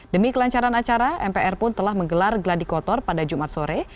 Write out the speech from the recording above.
demi kelancaran acara mpr pun telah menggelar gladi kotor pada jumat sore